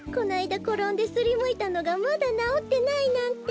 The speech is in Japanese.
ころんですりむいたのがまだなおってないなんて。